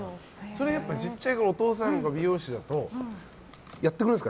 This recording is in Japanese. やっぱり小さいころお父さんが美容師だとやってくれるんですか？